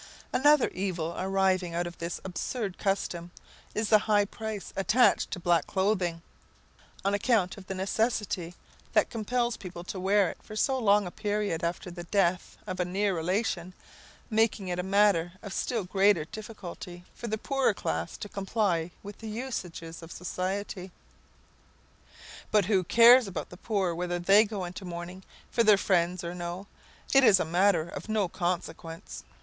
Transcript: Another evil arising out of this absurd custom, is the high price attached to black clothing, on account of the necessity that compels people to wear it for so long a period after the death of a near relation, making it a matter of still greater difficulty for the poorer class to comply with the usages of society. "But who cares about the poor, whether they go into mourning for their friends or no? it is a matter of no consequence."